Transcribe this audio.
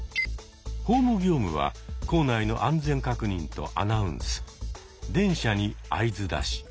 ホーム業務は構内の安全確認とアナウンス電車に合図出し。